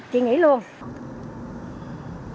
chị nghĩ là không ổn